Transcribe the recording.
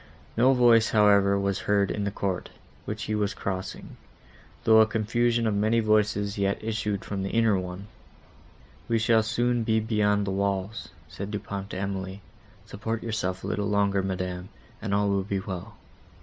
No voice, however, was heard in the court, which he was crossing, though a confusion of many voices yet issued from the inner one. "We shall soon be beyond the walls," said Du Pont softly to Emily, "support yourself a little longer, Madam, and all will be well."